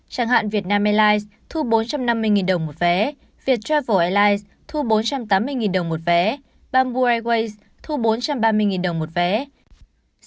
chẳng hạn việt nam airlines thu bốn trăm năm mươi đồng một vé viettravel airlines thu bốn trăm tám mươi đồng một vé bamboo airways thu bốn trăm ba mươi đồng một vé